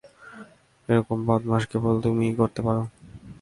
এরকম বদমাশি কেবল তুমিই করতে পারো।